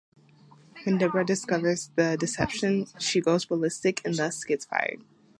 When Debra discovers the deception, she goes ballistic and thus gets fired.